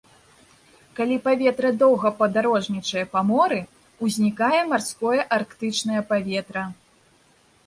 Калі паветра доўга падарожнічае па моры, узнікае марское арктычнае паветра.